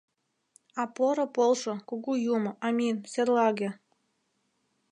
А поро полшо, кугу юмо, амин, серлаге!